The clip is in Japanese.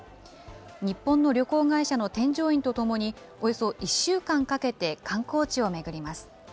日本の旅行会社の添乗員と共に、およそ１週間かけて観光地を巡ります。